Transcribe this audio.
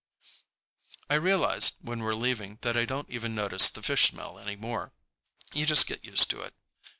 I realize when we're leaving that I don't even notice the fish smell anymore. You just get used to it.